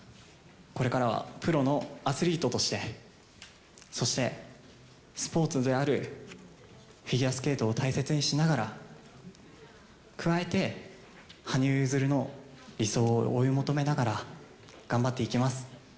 これからはプロのアスリートとして、そしてスポーツであるフィギュアスケートを大切にしながら、加えて、羽生結弦の理想を追い求めながら頑張っていきます。